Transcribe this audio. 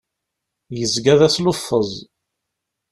Yezga d asluffeẓ.